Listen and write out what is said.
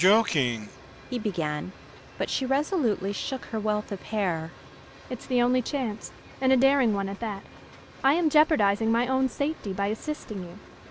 "You're joking," he began, but she resolutely shook her wealth of hair. "It's the only chance, and a daring one at that. I am jeopardizing my own safety by assisting you.